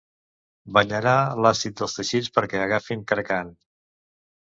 Banyarà d'àcid els teixits perquè agafin cracant.